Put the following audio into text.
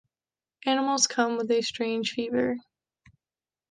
Animals come with a strange fever.